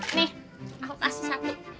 nih aku kasih satu